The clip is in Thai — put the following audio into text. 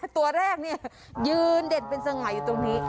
ตัวแรกยืนเด่นเป็นสง่าอยู่ตรงนี้